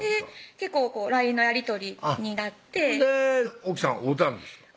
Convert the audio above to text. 結構ＬＩＮＥのやり取りになって奥さん会うたんですか？